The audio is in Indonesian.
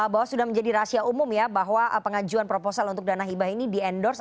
bahwa sudah menjadi rahasia umum ya bahwa pengajuan proposal untuk dana hibah ini di endorse